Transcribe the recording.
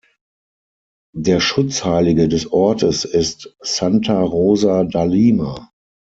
Der Schutzheilige des Ortes ist Santa Rosa da Lima.